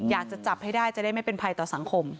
อยากจะจับให้ได้จะได้ไม่เป็นภัยต่อสังคม